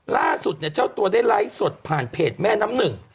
ล่าสุดเนี่ยเจ้าตัวได้ไลฟ์สดผ่านเพจแม่น้ำหนึ่ง